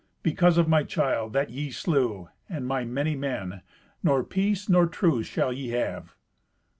Because of my child that ye slew, and my many men, nor peace nor truce shall ye have."